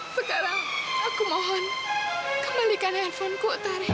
sekarang aku mohon kembalikan handphoneku tari